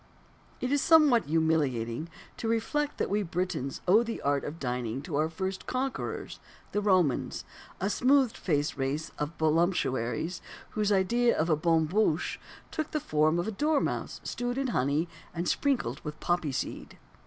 It is somewhat humiliating to reflect that we Britons owe the art of dining to our first conquerors the Romans a smooth faced race of voluptuaries whose idea of a bonne bouche took the form of a dormouse stewed in honey and sprinkled with poppy seed.